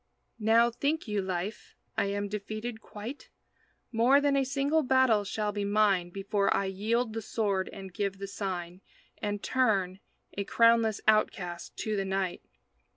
Now, think you, Life, I am defeated quite? More than a single battle shall be mine Before I yield the sword and give the sign And turn, a crownless outcast, to the night.